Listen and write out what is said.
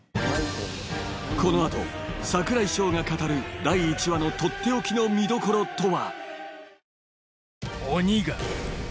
この後櫻井翔が語る第１話のとっておきの見どころとは？